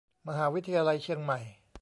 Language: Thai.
มหาวิทยาลัยเชียงใหม่